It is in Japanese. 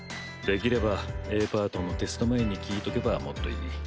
できればＡパートのテスト前に聞いとけばもっといい。